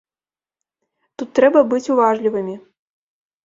Тут трэба быць уважлівымі.